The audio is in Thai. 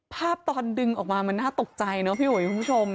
ภาพตอนดึงออกมามันน่าตกใจพี่ผู้ชม